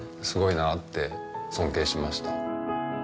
すごいなって尊敬しました。